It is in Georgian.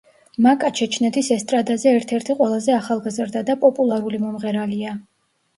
მაკა ჩეჩნეთის ესტრადაზე ერთ-ერთი ყველაზე ახალგაზრდა და პოპულარული მომღერალია.